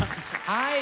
はい。